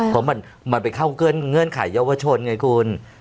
เพราะมันไปเข้าเงื่อนไขเยาวชนไงคุณ